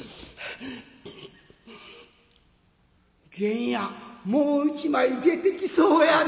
「源やんもう一枚出てきそうやで」。